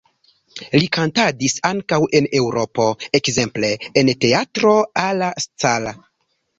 Li kantadis ankaŭ en Eŭropo, ekzemple en Teatro alla Scala.